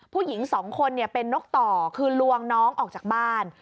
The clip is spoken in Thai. ผู้หญิงสองคนเป็นนกต่อคือลวงน้องออกจากบ้าน